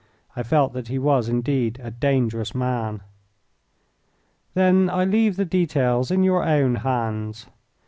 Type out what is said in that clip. I felt that he was indeed a dangerous man. "Then I leave the details in your own hands.